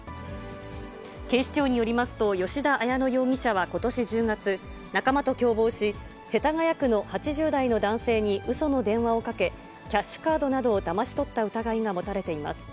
警視庁によりますと、吉田彩乃容疑者はことし１０月、仲間と共謀し、世田谷区の８０代の男性にうその電話をかけ、キャッシュカードなどをだまし取った疑いが持たれています。